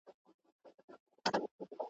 نه سلمان وم نه په برخه مي خواري وه ,